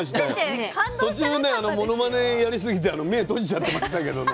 途中ねものまねやりすぎて目閉じちゃってましたけどね。